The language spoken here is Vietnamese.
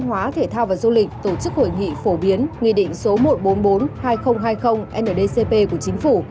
hoa và du lịch tổ chức hội nghị phổ biến nghị định số một trăm bốn mươi bốn hai nghìn hai mươi ndcp của chính phủ